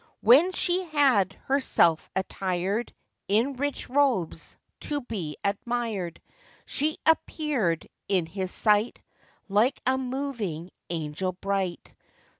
When she had herself attired In rich robes, to be admired, She appearèd in his sight, Like a moving angel bright.